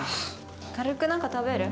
軽く何か食べる？